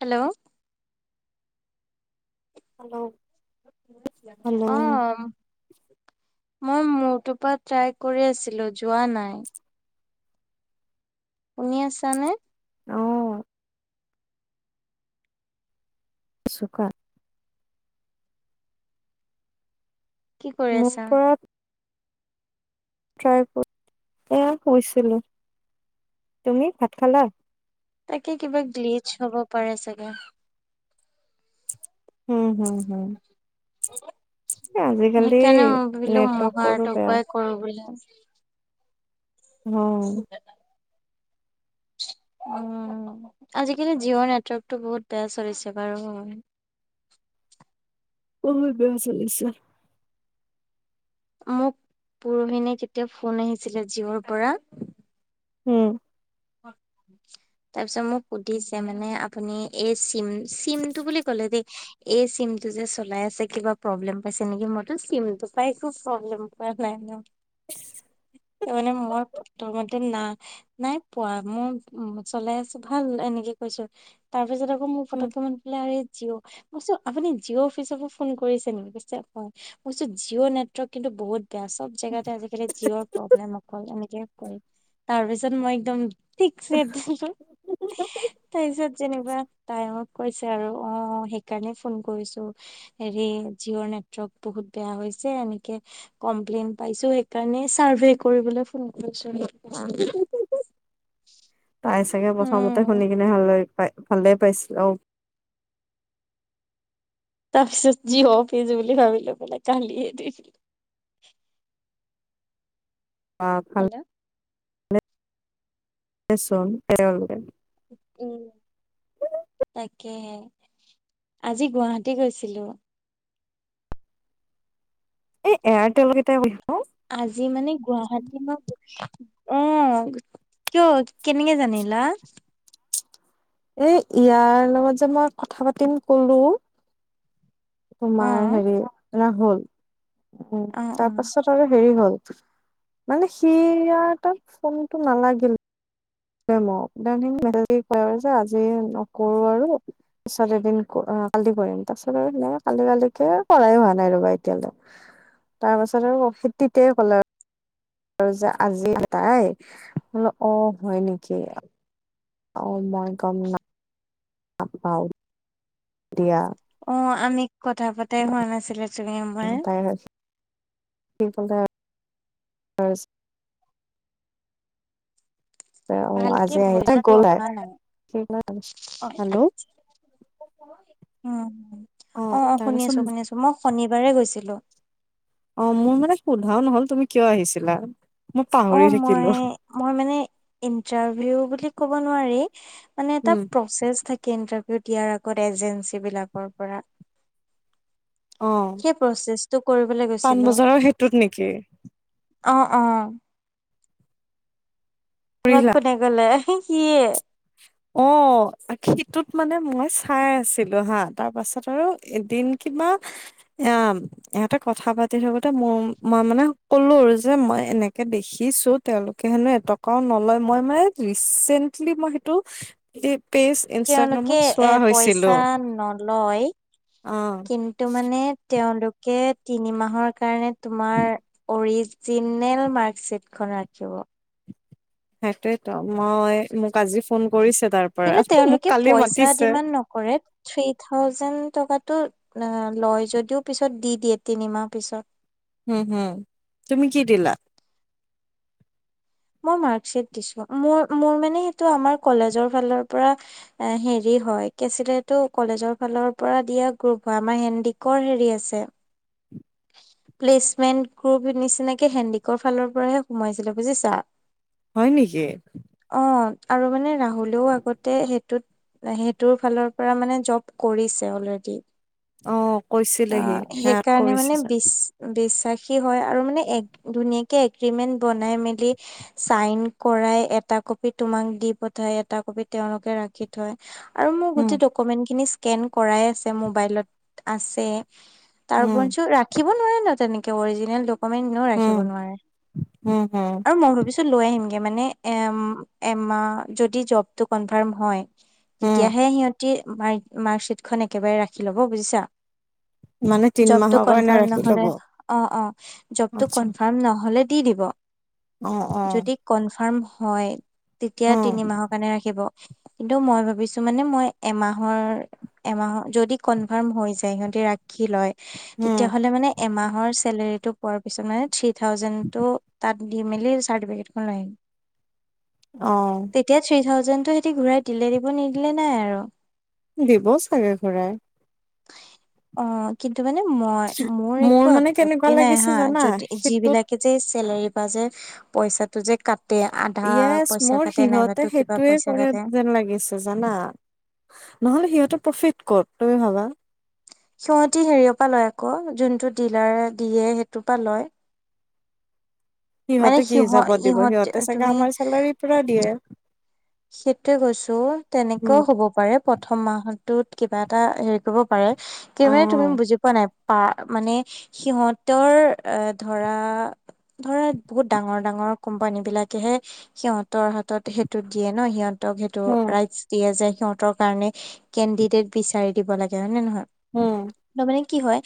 Hello hello hello অ মই মৰটো পৰা ট্ৰাই কৰি আছিলো যোৱা নাই শুনি আছানে অ চুকা কি কৰি মোৰ আছা পৰা এয়া শুইছিলো তুমি ভাত খালা তাকে কিবা গ্লিচ হ'ব পাৰে চাগে উম হুম হুম সেইকাৰনে বিলো নেটৱৰ্কৰো মহাৰ বেয়া পত কৰো বুলি অ'। [unintelligible] উ আজিকালি জিঅ' নেটৱৰ্কতটো বহুত বেয়া চলিছে বাৰু ব বেহ চলিছে মোক পৰোহিণে কেতিয়া ফোন আহিছিলে জিঅ'ৰ পৰা উম অ তাৰপিছত মোক সুধিছে মানে আপুনি এই চিম চিমটো বুলি কলে দেই এই চিমটো যে চলাই আছে কিবা প্ৰব্লেম পাইছে নেকি মইতো চিমটো পাই একো প্ৰব্লেম পোৱা নাই ন স মানে মই মতে না নাই পোৱা মই উ চলাই আছো ভাল এনেকে কৈছো তাৰপিছত আকৌ মোৰ ফট উম। ক পোলে আৰু জিঅ' কৈছো আপুনি জিঅ' অফিচকো ফোন কৰিছে নেকি কৈছে মইছো জিঅ' নেটৱৰ্ক কিন্তু বহুত বেয়া চব জেগাতে আজিকালি জিঅ'ৰ প্ৰব্লেম অকল এনেকে কৰে তাৰ পিছত মই একদম ঠিক চ দিছো তাৰ পিছত যেনকিবা টাই মক কৈছে আৰু অ সেইকাৰণে ফোন কৰিছো হৰে জিঅ'ৰ নেটৱৰ্ক বহুত বেয়া হৈছে এনেকে কমপ্লেইন পাইছোঁ সেই কাৰণে চাৰ্ভে কৰিবলে ফোন কৰিছিলো। তাই চাগে প্ৰথমতে উম শুনি কিনে ভাল পাই ভালে পাইছিল অঁ'। তাৰ পিছত যি অপিজ বুলি ভাবিলে বোলে কালিয়ে দি। আপ। হেল্ল' [unintelligible] উম। তাকে আজি গুৱাহাটী গৈছিলো। এই এয়াৰটেল কেইটাই বিষয় আজি মানে গুৱাহাটী মই, অঁ'। কিয় কেনেকে জানিলা। এই ইয়াৰ লগত যে মই কথা পাতিম কলো অ তোমাৰ হেৰি লাভ হ'ল উম অ অ তাৰপাছত তাৰ হেৰি হ'ল মানে সিয়াৰ ত ফোনটো নালাগিল। ডেমো ডেনটিং আজি কৰা হৈছে আজি নকৰো আৰু। পিছত এদিন কালি কৰিম তাৰপিছত আৰু সেনেকে কালি কালিকে কৰাই হোৱা নাই ৰ'বা এতিয়ালৈ। তাৰ পাছত আৰু খেতিতে ক'ল আৰু। আৰু যে আজি তাই বোলো অঁ হয় নেকি। অঁ মই কম না [unintelligible] দিয়া। অঁ আমি কথা পতাই হোৱা নাছিলে তুমিয়েই মই। তাই [unintelligible] তাই অঁ' ভালকে আজি আহি ভইচটো গ'ল অহা তাই নাই অ হেল্ল'। উম অ অঁ', অঁ', শুনি তাৰপিছত আছো শুনি আছো মই শনিবাৰে গৈছিলো। অঁ' মোৰ মানে সোধাও নহল তুমি কিয় আহিছিলা। মই পাহৰি অঁ' মই থাকিলো মই মানে ইন্টাৰভিউ বুলি কব নোৱাৰি মানে এটা উম প্ৰচেছ থাকে ইণ্টাৰভিউ দিয়াৰ আগত এজেঞ্চ বিলাকৰ পৰা অ সেই প্ৰচেছটো কৰিবলে গৈছিলোঁ। পাণবজাৰৰ সেইটোত নেকি অঁ', অঁ'। তোমাক বুঢ়িলা কোনে ক'লে সিয়ে। অ সিটোত মানে মই চাই আছিলো হা তাৰ পাছত আৰু এদিন কিবা এয়াম। ইহঁতে কথা পাতি থাকোতে মোৰ মই মানে কলো আৰু যে মই এনেকে দেখিছো তেওঁলোকে হেনো এটকাও নলয় মই মানে ৰিচেন্টলি মই সেইটো এই পেজ তেওঁলোকে ইনষ্টাগ্ৰামত এ চোৱা পইচা হৈছিলো নলয় অ কিন্তু মানে তেওঁলোকে তিনি মাহৰ কাৰণে তোমাৰ অৰিজ জিনেল মাৰ্কশ্বিট খন ৰাখিব। সেইটোৱে তো মই মোক আজি ফোন কৰিছে তাৰ পৰা মোক কালি মাতিছে। কৰে থ্ৰী থাউজেণ্ড টকাটো অ নহয় যদিও পিছত দি দিয়ে তিনিমাহ পিছত। উম হুম তুমি কি দিলা। মই মাৰ্কশ্বিট দিছো মোৰ মোৰ মানে সেইটো আমাৰ কলেজৰ ফালৰ পৰা এ হেৰি হয় কি আছিলে সেইটো কলেজৰ ফালৰ পৰা দিয়া গ্ৰুপ হয় আমাৰ হেণ্ডিকৰ হেৰি আছে। প্লেচমেন্ট গ্ৰুপ নিচিনাকে হেণ্ডিকৰ ফালৰ পৰাহে সোমাইছিলে বুজিছা। [inaudible] হয় নেকি। অ আৰু মানে ৰাহুলেও আগতে সেইটোত সেইটোৰ ফালৰ পৰা মানে জব কৰিছে অলৰেডি। অ কৈছিলেহি অ' সেয়াত সেইকাৰণে মানে কৰিছে চ। বিচ বিশ্বাসী হয় আৰু মানে ধুনীয়াকে এগ্ৰীমেন্ট বনাই মেলি চাইন কৰাই এটা কপি তোমাক দি পঠাই এটা কপি তেওঁলোকে ৰাখি আৰু মোৰ উম গো কমেনট খিনি স্ক্ৰীন কৰাই আছে মবাইল টো আছে তাৰ উম ৰাখিব নোৱাৰে ন তেনেকে অৰিজিনেল ডকুমেণ্ট ন ৰাখিব উম নোৱাৰে উম হম আৰু মই ভাবিছো লৈ আহিমগে মানে এ এমাহ যদি জব টো কনফাৰ্ম হয় উম তেতিয়াহে সিহঁতি মাৰ্কশ্বীটখন একেবাৰে ৰাখি ল'ব বুজিছা মানে তিন মাহৰ কাৰণে ৰাখ অঁ অঁ যব টো আচ্ছা কনফ্ৰম নহলে দি দিব অ অ যদি কনফাৰ্ম হয় তেতিয়া অ তিনি মাহৰ কাৰণে ৰাখিব কিন্তু মই ভাবিছোঁ মানে মই এমাহৰ এমাহৰ যদি কনফাৰ্ম হৈ যায় সিহঁতি ৰাখি লয়। উম তেতিয়াহ'লে মানে এমাহৰ চেলেৰীটো পোৱাৰ পিছত মানে থ্ৰী থাউজেণ্ডটো তাত দি মেলি চাৰটিফিকেট খন ললয় আহিম অ তেতিয়া থ্ৰী থাউজেণ্ডটো সহঁতি ঘূৰাই দিলে দিব নিদিলে নাই আৰু দিব চাগে ঘৰাই অ কিন্তু মানে ম মোৰ একো মানে আপত্তি কেনেকুৱা নাই লাগিছে হা জানা যদি সেইটোত যিবিলাকে ছেলাৰী বা যে পইচাটো যে কা ইয়েজ মোৰ সিহঁতে কিবা সেইটোয়ে পইচা কৰে কাটে যেন লাগিছে জানা নহ'লে সিহঁত প্ৰফিট ক'ত তুমি ভাবা সিহতি হেৰিয়ৰ পৰা লয় আকৌ যোনটো ডিলাৰ দিয়ে সেইটোৰ পৰা লয় মানে সিহঁতে কি সিহ হিচাপত দিব ইহঁত সিহঁতে চাগে তুমি আমাৰ চেলাৰী পুৰা দিয়ে সেইটোৱে কৈছো উম তেনেকেও হব পাৰে প্ৰথম মাহত ত কিবা এটা হেৰি কৰিব পাৰে কি অ তুমি বুজি পোৱা নাই পা মানে সিহঁতৰ এ ধৰা ধৰা বহুত ডাঙৰ ডাঙৰ কোম্পানী বিলাকেহে সিহতৰ হাতত সেইটো দিয়ে ন সিহঁতক সেইটো উম ৰাই দিয়া যায় সিহঁতৰ কাৰণে কেণ্ডিডেট বিচাৰি দিব লাগে হয় নে নহয় উম তাৰ মানে কি হয়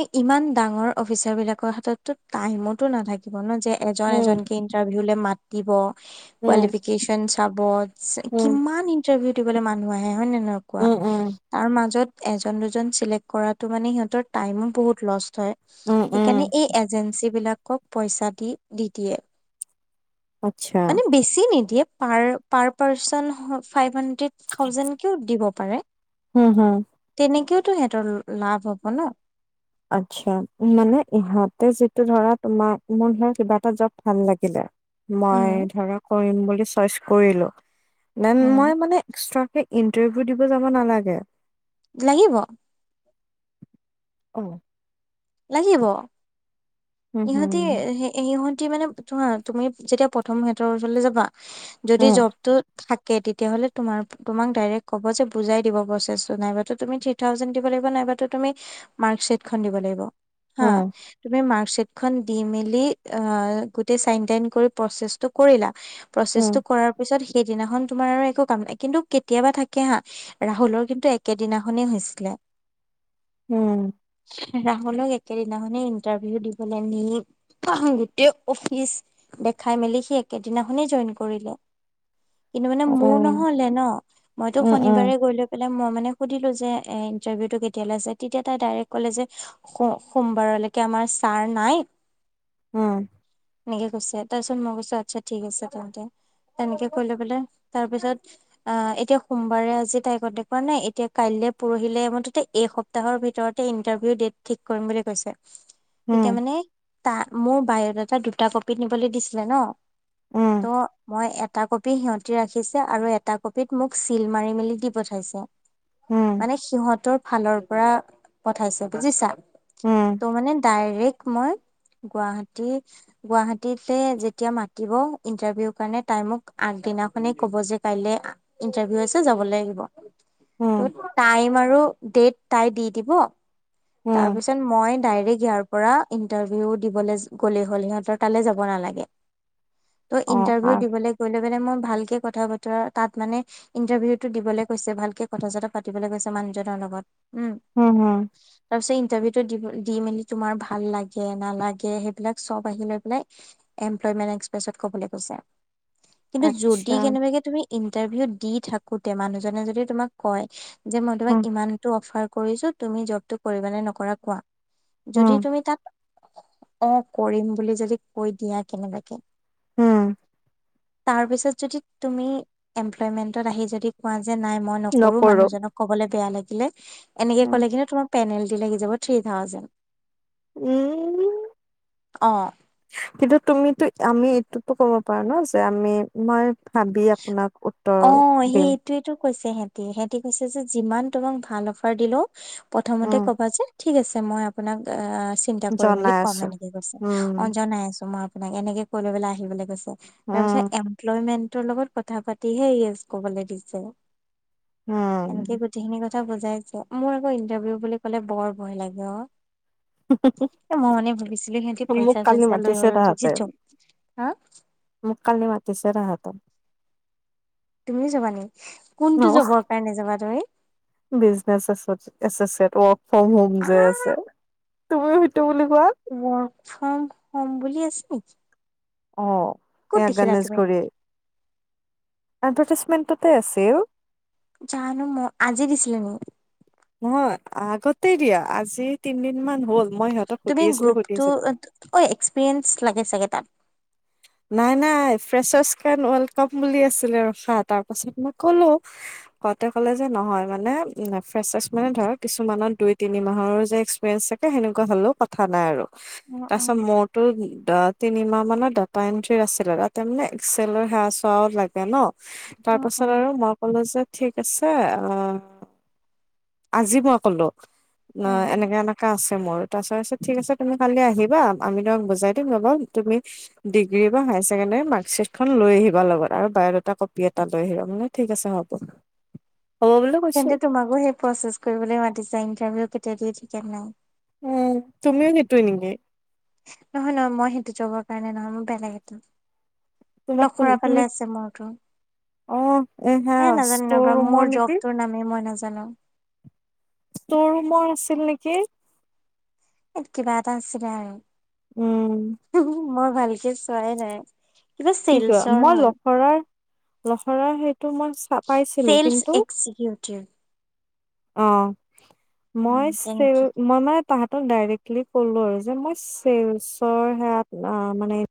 এ ইমান ডাঙৰ অফিচাৰ বিলাকৰ হাততো টাইমতো নাথাকিব ন যে এজন উম এজন কৈ ইণ্টাৰভিউ লৈ মাতিব উম কোৱালিফিকেচন চাব চে উম কিমান ইন্টাৰভিউ উবলৈ মানুহ আহে হয়ে নহয় কুৱা উম উম তাৰ মাজত এজন দুজন চিলেক্ট কৰাতো মানে সিহঁতৰ টাইমো বহুত লষ্ট হয় উম উম সেইকাৰণে এই এজেঞ্চী বিলাকক পইচা দি দি দিয়ে। আচ্ছা, বেছি নিদিয়ে পাৰ পাৰ্চন ফাইভ হাণ্ডেড থাউজেণ্ড কত দিব পাৰে হম হুম তেনেকেওতো সিহঁতৰ লাভ হব ন আচ্ছা মানে ইহঁতে যিটো ধৰা তোমাৰ মোৰ ধৰা কিবা এটা জব ভাল লাগিলে উম মই ধৰা কৰিম বুলি চইচ কৰিলো দেন উম মই মানে এক্সট্ৰ কে ইণ্টাৰভিউ দিব যাব নালাগে লাগিব অঁ লাগিব উম, ইহঁতি হুম, সেই এই সহঁতি মানে তোমাৰ তুমি যেতিয়া প্ৰথম সিহঁতৰ ওচৰলৈ যাবা যদি উম, জবটো থাকে, তেতিয়াহ'লে তোমাৰ, তোমাক ডাইৰেক্ট ক'ব যে বুজাই দিব প্ৰচেছটো। নাইবা তো তুমি থ্ৰী থাউজেণ্ড দিব লাগিব, নাইবা তুমি মাৰ্কশ্বিটখন দিব লাগিব, হাঁ। উম, তুমি মাৰ্কশিটখন দি মেলি আ, গোটেই চাইন-টাইন কৰি, প্ৰচেছটো কৰিলা। প্ৰচেছটো উম, কৰাৰ পিছত, সেইদিনাখন তোমাৰ আৰু একো কাম নাই। কিন্তু কেতিয়াবা থাকে, হাঁ। ৰাহুলৰ, কিন্তু, একেদিনাখনেই হৈছিলে। উম। ৰা বোলো লেক একেদিনাখনে ইন্টাৰভিউ দিবলে [unintelligible] গোটেই অফিচ দেখাই মেলি সি একেদিনাখনেই জইন কৰিলে কিন্তু মানে উম, মোৰ উম, নহলে ন মইতো উম, শনিবাৰে গলে প মই মানে সুধিলো যে এ ইন্টাৰভিউটো কেতিয়ালৈ আছে তেতিয়া তাই ডাইৰেক্ট ক'লে যে সোম সোমবাৰলৈকে আমাৰ ছাৰ নাই উম। এনেকে কৈছে। তাৰপিছত মই কৈছোঁ, আচ্ছা, ঠিক আছে তেন্তে। তেনেকে কলে বোলে, তাৰপিছত অ, এতিয়া সোমবাৰে। আজি তাই কণ্টেক্ট কৰা নাই। এতিয়া কাইলৈ, পৰহিলে, মুঠতে এই সপ সপ্তাহৰ ভিতৰতে ইন্টাৰভিউৰ ডেট ঠিক কৰিম বুলি কৈছে। এতিয়া, উম, মানে তা, মোৰ বায়'ডাটাত দুটা কপি নিবলৈ দিছিলে ন, ত' উম, মই এটা কপি সিহঁতি ৰাখিছে, আৰু এটা কপিত মোক চিল মাৰি, মেলি দি পঠাইছে। উম। মানে, সিহঁতৰ ফালৰ পৰা পঠাইছে, বুজিছা। উম। ত, মানে ডাইৰেক্ট মই গুৱাহাটী গুৱাহাটীতে যেতিয়া মাতিব ইণ্টাৰভিউ কাৰণে, তাই মোক আগদিনাখনে ক'ব যে, কাইলে ইণ্টাৰভিউ আছে, যাব লাগিব। উম, ত টাইম আৰু ডেট তাই দি দিব। তাৰ উম, পিছত মই ডাইৰেক্ট ইয়াৰ পৰা ইণ্টাৰভিউ দিবলৈ গ'লে হ'ল। সিহঁতৰ তালৈ যাব নালাগে। ত' অ', আ ইণ্টাৰভিউ দিবলৈ গলে মানে, মই ভালকে কথা-বতৰা তাত, মানে ইণ্টাৰভিউটো দিবলৈ কৈছে। ভালকে কথা-চতা পাতিবলৈ কৈছে মানুহজনৰ লগত। উম। উম, হুম। তাৰ পিছতে, ইণ্টাৰভিউটো দি-মেলি, তোমাৰ ভাল লাগে নালাগে, সেইবিলাক চব আহি লৈ পেলাই এম্প্লয়ী [unintelligible] কবলৈ কৈছে, কিন্তু যদি আচ্ছা, কেনেবাকে তুমি ইণ্টাৰভিউ দি থাকোঁতে, মানুহজনে যদি তোমাক কয় যে মই তোমাক হুম, ইমান তো অফাৰ কৰিছোঁ। তুমি জবটো কৰিবা নে নকৰা, কোৱা। হুম, যদি তুমি তাত অ, কৰিম বুলি যদি কৈ দিয়া, কেনেবাকে উম। তাৰপিছত, যদি তুমি এমপ্লয়মেণ্টত আহি যদি কোৱা যে, নাই, মই নকৰোঁ। মানুহজনক ক'বলৈ বেয়া লাগিলে এনেকে উম, ক'লে, কিন্তু তোমাক পেনাল্টি লাগি যাব, থ্ৰী থাউজেণ্ড। অ উম। কিন্তু তুমিতো আমি এইটোতো ক'ব পাৰোঁ ন, যে আমি মই ভাবি আপোনাক উত্তৰ দিম। সেইটোৱেটো কৈছে সেতি সেতি কৈছে যে যিমান তোমাক ভাল অফাৰ দিলেও, প্ৰথমতে উম ক'বা যে ঠিক আছে মই আপোনাক আ চিন্তা কৰি মেলি জনাই কম আছো এনেকে কৈছে, উম অ জনাই আছোঁ মই আপোনাক এনেকে কৈ লৈ পেলাই আহিবলৈ কৈছে। তাৰ পিছত উম এমপ্লয়মেন্টৰ লগত কথা পাতিহে ইয়েচ কবলে দিছে। উম। এনেকে গোটেইখিনি কথা বুজাইছে মোৰ আকৌ ইণ্টাৰভিউ বুলি ক'লে বৰ ভয় লাগে অ। এ মই মানে ভাবিছিলোঁ সিহঁতি মোক কালি পইচা-চইচা লৈ মাতিছে তাহাঁতে জব হা মোক কালি মাতিছে তাঁহাতে। তুমিও যাবা নি কোনটো জবৰ কাৰণে যাবা তুমি? Business S, associate, work from home আ যে আছে। তুমিও সেইতো বুলি কোৱা। ৱ্ক ফ্ৰম হোম বুলি আছোঁ। অ এ তুমি গণেশগুৰি। এডভাৰটাইজমেন্টতে আছে অ। জানো মহ আজি দিছিলে নি। নহয় আগতে দিয়া আজি তিনিদিনমান হ'ল মই সিহঁতক সুধি তুমি আছিলোঁ সুধি গ্ৰুপটো আছিলোঁ। অ এক্সপিৰিয়েঞ্চ লাগে চাগে তাত। নাই নাই ফ্ৰেছৰ্ ৱৰ্ল্ড কাপ বুলি আছিলে ৰখা তাৰ পাছত মই কলোঁ। কতে কলে যে নহয় মানে ফেচাৰ্চ মানে ধৰা কিছুমানৰ দুই তিনি মাহৰ যে এক্সপিৰিয়েঞ্চ থাকে সেনেকুৱা হলেও কথা নাই আৰু অ', তাৰ পিছত অ', মোৰতো তিনিমাহ মানত পেণ্ট্ৰি আছিলে তাতে মানে এক্সেলৰ সেৱা চোৱাও লাগে ন। তাৰ অ', পাছত অ', আৰু মই ক'লো যে ঠিক আছে অ, আজি মই কলো। নাই অ'। এনেকা এনেকা আছে মোৰ তাৰপিছত ঠিক আছে তুমি কালি আহিবা আমি তোমাক বুজাই দিম নবা তুমি ডিগ্ৰী বা হায়াৰ ছেকেণ্ডেৰী মাৰ্কশ্বিটখন লৈ আহিবা লগত আৰু বায়'ডটা কপি এটা লৈ আহিবা মই বোলো ঠিক আছে হ'ব। [inaudible] হ'ব বুলি কৈছো তেন্তে তোমাকো সেই প্ৰচেছ কৰিবলৈ মাতিছে ইণ্টাৰভিউ কেতিয়া দিয়ে ঠিকে নাই। উম, তুমিও সেইটোৱে নেকি? নহয় নহয় মই সেইটো জবৰ কাৰণে নহয় মোৰ বেলেগ এটা। তোমাক কোন লখৰা তুমি ফালে আছে মোৰটো। অ হা এ নাজানো ষ্টৰ ৰবা ৰুমৰ মোৰ নেকি জব তোৰ নামেই মই নাজানো। স্তৰ ৰুমৰ আছিল নেকি। কিবা এটা আছিলে আৰু উম মই ভালকে চোৱাই নাই। কিবা কি কোৱা চেলচৰ মই হয় লখৰাৰ লখৰাৰ সেইটো মই পাইছিলো চেলচ কিন্তু [inaudible] অ, মই উম তেনেকে মানে তাহাতত ডাইৰেক্টলি ক'লো আৰু যে মই চেলচৰ সেয়াত মানে